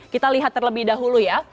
kita lihat terlebih dahulu ya